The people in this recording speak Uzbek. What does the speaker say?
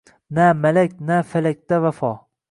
Na malak, na falakda vafo